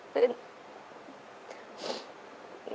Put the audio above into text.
ปิ๊น